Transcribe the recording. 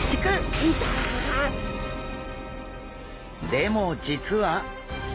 でも実は。